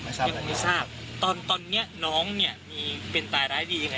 ไม่ทราบเลยไม่ทราบตอนตอนเนี้ยน้องเนี้ยมีเป็นตายร้ายดียังไง